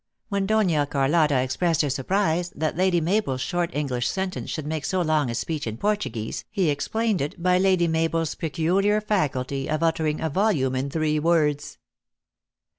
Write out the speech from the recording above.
When Dona Carlotta expressed her surprise that Lady Mabel s short English sentence should make so long a speech in Portuguese, he explained it by Lady Mabel s peculiar faculty of uttering a volume in three words.